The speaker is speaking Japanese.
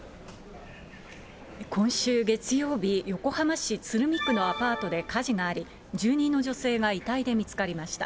今週月曜日、横浜市鶴見区のアパートで火事があり、住人の女性が遺体で見つかりました。